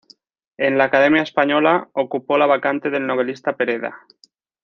En la Academia Española ocupó la vacante del novelista Pereda.